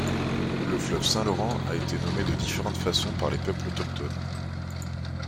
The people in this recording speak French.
Le fleuve Saint-Laurent a été nommé de différentes façons par les peuples autochtones.